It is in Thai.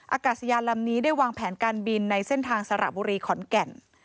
อากาศยานลำนี้ได้วางแผนการบินในเส้นทางสระบุรีขอนแก่น